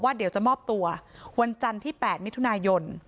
เดี๋ยวจะมอบตัววันจันทร์ที่๘มิถุนายน